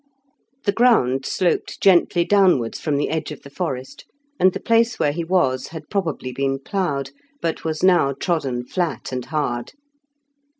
The ground sloped gently downwards from the edge of the forest, and the place where he was had probably been ploughed, but was now trodden flat and hard.